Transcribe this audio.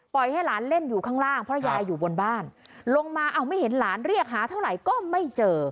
ให้หลานเล่นอยู่ข้างล่างเพราะยายอยู่บนบ้านลงมาเอาไม่เห็นหลานเรียกหาเท่าไหร่ก็ไม่เจอ